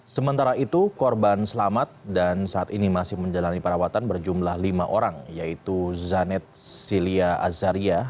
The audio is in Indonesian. sementara itu korban selamat dan saat ini masih menjalani perawatan berjumlah lima orang yaitu zanet silia azaria